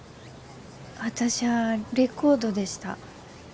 私ゃあレコードでした。